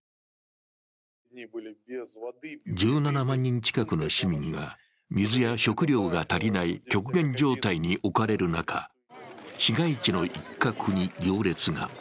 １７万人近くの市民が水や食料が足りない極限状態に置かれる中、市街地の一角に行列が。